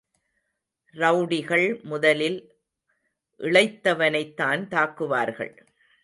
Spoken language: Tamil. ரெளடிகள் முதலில் இளைத்தவனைத் தான் தாக்குவார்கள்.